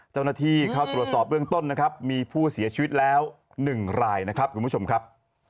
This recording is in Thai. เจ้าหน้าที่เข้าตรวจสอบเบื้องต้นนะครับมีผู้เสียชีวิตแล้ว๑รายนะครับคุณผู้ชมครับ